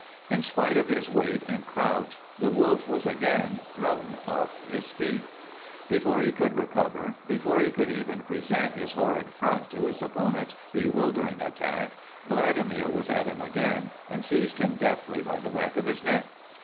In spite of his weight and crouch the wolf was again thrown off his feet. Before he could recover, before he could even pre THE BLOOD OF HIS FATHERS 187 sent his horrid front to his opponent's bewildering attack, Vladimir was at him again and seized him deftly by the back of his neck.